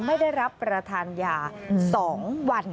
ไม่ได้รับประทานยา๒วัน